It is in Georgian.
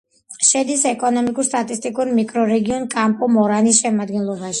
შედის ეკონომიკურ-სტატისტიკურ მიკრორეგიონ კამპუ-მორანის შემადგენლობაში.